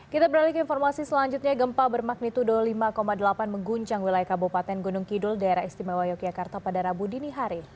kita beralih ke informasi selanjutnya gempa bermagnitudo lima delapan mengguncang wilayah kabupaten gunung kidul daerah istimewa yogyakarta pada rabu dini hari